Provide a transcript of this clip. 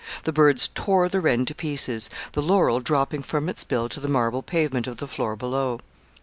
The birds tore the wren to pieces, the laurel dropping from its bill to the marble pavement of the floor below.